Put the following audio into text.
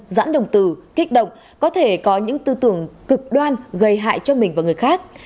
giãn đồng từ kích động có thể có những tư tưởng cực đoan gây hại cho mình và người khác